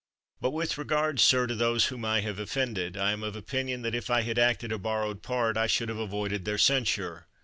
But with regard, sir, to those whom I have of fended, I am of opinion that if I had acted a bor rowed part I should have avoided their censure.